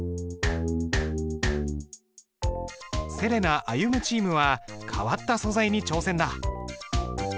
せれな・歩夢チームは変わった素材に挑戦だ。